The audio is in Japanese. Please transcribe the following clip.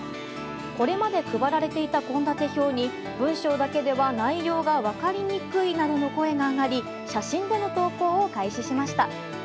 これまで配られていた献立表に文章だけでは内容が分かりにくいなどの声が上がり写真での投稿を開始しました。